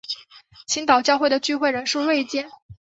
青岛教会的聚会人数锐减。